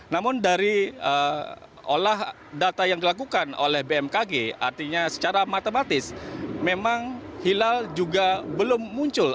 namun dari olah data yang dilakukan oleh bmkg artinya secara matematis memang hilal juga belum muncul